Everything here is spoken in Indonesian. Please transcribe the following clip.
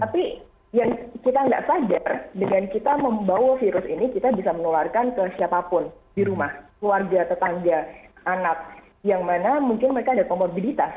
jadi yang kita nggak sadar dengan kita membawa virus ini kita bisa menularkan ke siapapun di rumah keluarga tetangga anak yang mana mungkin mereka ada komorbiditas